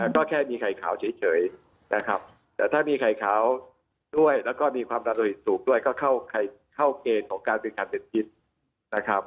ก็แค่มีไข่ขาวเฉยนะครับแต่ถ้ามีไข่ขาวด้วยแล้วก็มีความดันโดยสูงด้วยก็เข้าเกณฑ์ของการเป็นการเป็นพิษนะครับ